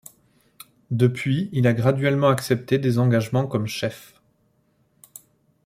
Depuis, il a graduellement accepté des engagements comme chef.